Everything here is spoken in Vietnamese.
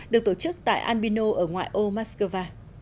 được tổ chức tại albino ở ngoại ô moscow